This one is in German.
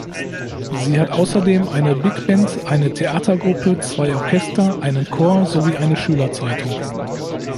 Sie hat außerdem eine Big-Band, eine Theatergruppe, zwei Orchester, einen Chor sowie eine Schülerzeitung.